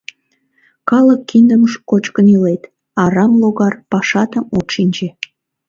— Калык киндым кочкын илет, арам логар, пашатым от шинче...